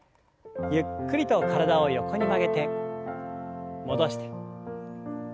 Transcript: ゆっくりと体を横に曲げて戻して。